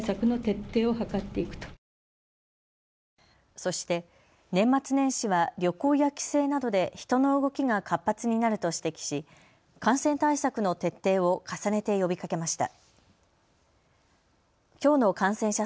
そして年末年始は旅行や帰省などで人の動きが活発になると指摘し、感染対策の徹底を重ねて呼びかけました。